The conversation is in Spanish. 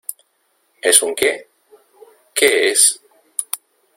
¿ Es un qué? ¿ qué es ?